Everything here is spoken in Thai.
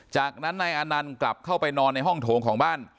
จากนั้นนายอานันต์กลับเข้าไปนอนในห้องโถงของบ้าน